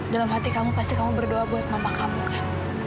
dalam hati kamu pasti kamu berdoa buat mama kamu kan